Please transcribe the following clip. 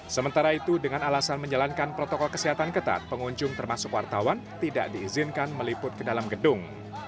sementara itu dengan alasan menjalankan protokol kesehatan ketat pengunjung termasuk wartawan tidak diizinkan meliput ke dalam gedung